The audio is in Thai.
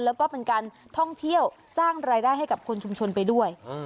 แล้วก็เป็นการท่องเที่ยวสร้างรายได้ให้กับคนชุมชนไปด้วย